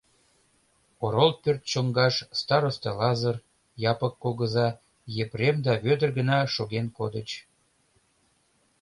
Орол пӧрт чоҥгаш староста Лазыр, Япык кугыза, Епрем да Вӧдыр гына шоген кодыч.